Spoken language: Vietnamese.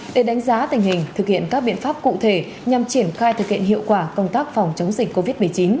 để đánh giá tình hình thực hiện các biện pháp cụ thể nhằm triển khai thực hiện hiệu quả công tác phòng chống dịch covid một mươi chín